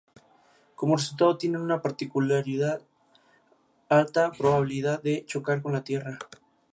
Como resultado, tienen una particularmente alta probabilidad de chocar con la Tierra.